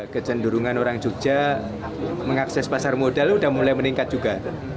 kecenderungan orang jogja mengakses pasar modal itu sudah mulai meningkat juga